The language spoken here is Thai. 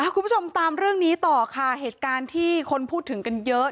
คุณผู้ชมตามเรื่องนี้ต่อค่ะเหตุการณ์ที่คนพูดถึงกันเยอะ